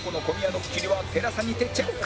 ドッキリは ＴＥＬＡＳＡ にてチェック！